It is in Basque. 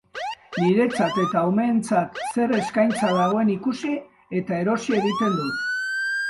Niretzat eta umeentzat zer eskaintza dagoen ikusi, eta erosi egiten dut.